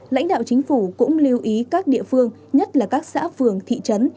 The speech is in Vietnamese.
lãnh đạo chính phủ cũng lưu ý các địa phương nhất là các xã phường thị trấn